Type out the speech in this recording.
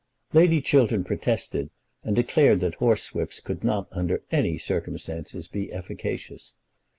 Lady Chiltern protested, and declared that horsewhips could not under any circumstances be efficacious.